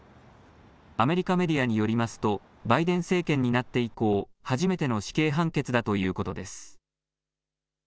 アメリカメディアによりますとバイデン政権になって以降、初めての死刑判決だということです。